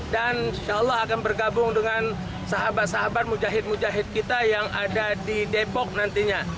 dan insya allah akan bergabung dengan sahabat sahabat mujahid mujahid kita yang ada di depok nantinya